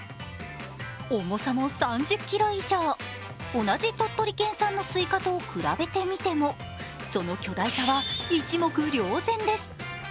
重さも３０ｋｇ以上、同じ鳥取県産のスイカと比べてみてもその巨大さは一目瞭然です。